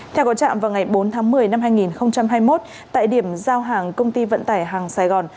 theo có trạm vào ngày bốn tháng một mươi năm hai nghìn hai mươi một tại điểm giao hàng công ty vận tải hàng sài gòn